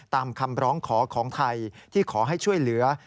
ตามคำร้องขอของไทยที่ขอให้ช่วยเหลือ